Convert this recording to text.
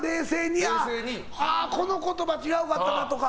冷静にああ、この言葉違うかったなとか。